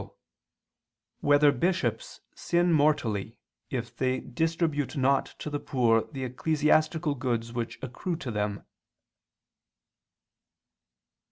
7] Whether Bishops Sin Mortally If They Distribute Not to the Poor the Ecclesiastical Goods Which Accrue to Them?